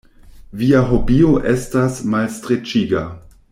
Via hobio estas malstreĉiga.